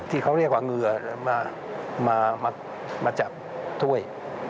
ที่เขาเรียกว่าเหงื่อมาจับถ้วย